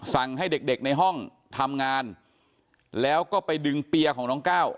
สั่งให้เด็กในห้องทำงานแล้วก็ไปดึงเปียของน้องก้าว